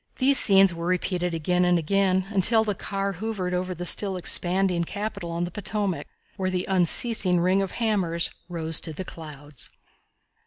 These scenes were repeated again and again until the car hovered over the still expanding capital on the Potomac, where the unceasing ring of hammers rose to the clouds.